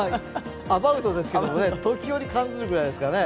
アバウトですけどね、時折感じるくらいですかね。